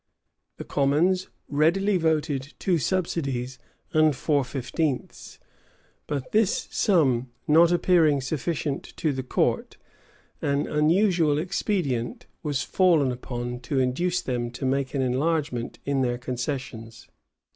The commons readily voted two subsidies and four fifteenths; but this sum not appearing sufficient to the court, an unusual expedient was fallen upon to induce them to make an enlargement in their concessions.